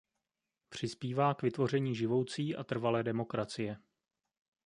Přispívá k vytvoření živoucí a trvalé demokracie.